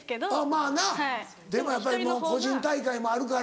まぁなでもやっぱり個人大会もあるから。